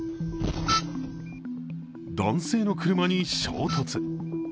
男性の車に衝突。